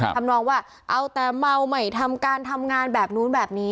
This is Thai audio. ทำนองว่าเอาแต่เมาไม่ทำการทำงานแบบนู้นแบบนี้